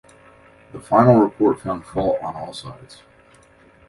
The final report found fault on all sides.